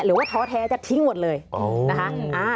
ท้อแท้จะทิ้งหมดเลยนะคะ